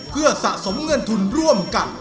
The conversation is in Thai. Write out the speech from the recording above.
เพื่อสะสมเงินทุนร่วมกัน